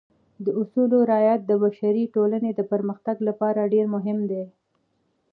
د اصولو رعایت د بشري ټولنې د پرمختګ لپاره ډېر مهم دی.